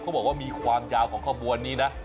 บอกว่ามีความยาวของขบวนนี้นะ